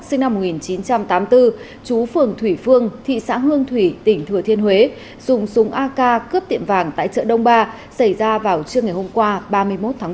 sinh năm một nghìn chín trăm tám mươi bốn chú phường thủy phương thị xã hương thủy tỉnh thừa thiên huế dùng súng ak cướp tiệm vàng tại chợ đông ba xảy ra vào trưa ngày hôm qua ba mươi một tháng một